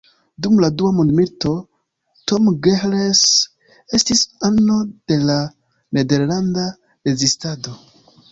Dum la dua mondmilito, Tom Gehrels estis ano de la nederlanda rezistado.